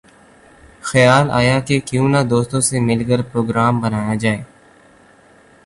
خیال آیا کہ کیوں نہ دوستوں سے مل کر پروگرام بنایا جائے